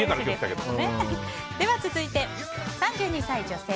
続いて、３２歳、女性。